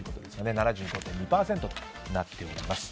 ７５．２％となっています。